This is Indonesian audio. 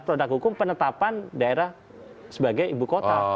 produk hukum penetapan daerah sebagai ibu kota